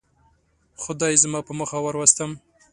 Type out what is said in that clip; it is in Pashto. خدای زه په مخه وروستم.